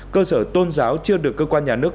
cơ sở tôn giáo chưa được cơ quan nhà nước